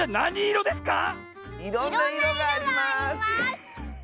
いろんないろがあります！